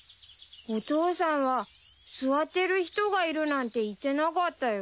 お父さんは座ってる人がいるなんて言ってなかったよ。